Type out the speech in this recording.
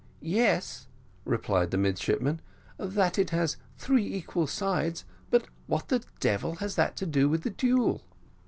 "Yes," replied the midshipman, "that it has three equal sides but what the devil has that to do with the duel?"